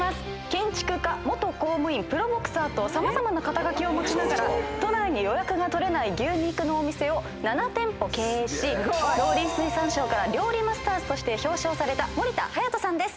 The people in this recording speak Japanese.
建築家元公務員プロボクサーと様々な肩書を持ちながら都内に予約が取れない牛肉のお店を７店舗経営し農林水産省から料理マスターズとして表彰された森田隼人さんです。